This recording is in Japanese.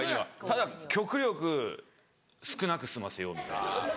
ただ極力少なく済ませようみたいな。